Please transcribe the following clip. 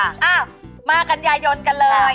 อ้าวมากันยายนกันเลย